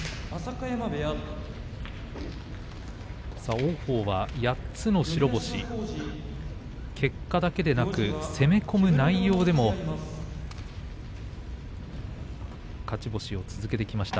王鵬は８つの白星結果だけでなく攻め込む内容でも勝ち星を続けてきました。